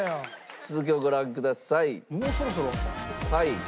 続きをご覧ください。